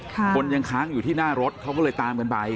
คนยังค้างอยู่ที่หน้ารถเขาก็เลยตามกันไป